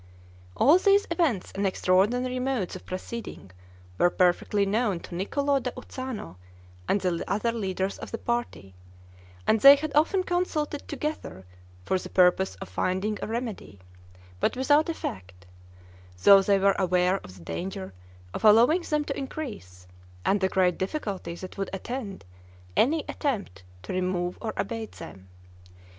All these events and extraordinary modes of proceeding were perfectly known to Niccolo da Uzzano and the other leaders of the party; and they had often consulted together for the purpose of finding a remedy, but without effect; though they were aware of the danger of allowing them to increase, and the great difficulty that would attend any attempt to remove or abate them.